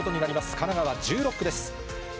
神奈川１６区です。